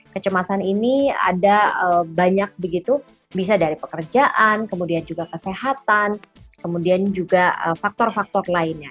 kecemasan ini ada banyak begitu bisa dari pekerjaan kemudian juga kesehatan kemudian juga faktor faktor lainnya